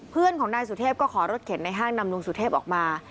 เพื่อนของนายสุเทพก็ขอรถเข็นในห้างนำลุงสุเทพออกมา